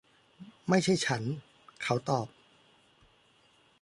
ไม่ใช่ฉัน ! เขาตอบ